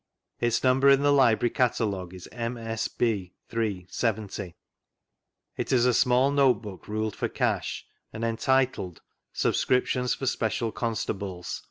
Its numt>er in the Library Catalogue is MS. B. 3. 70. It is a small note book rtiled for cash, and entitled: " Subscriptions for Special Constables.